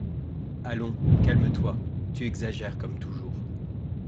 Allons, calme-toi, tu exagères comme toujours.